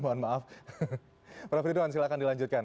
mohon maaf prof ridwan silahkan dilanjutkan